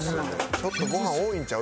ちょっとご飯多いんちゃう？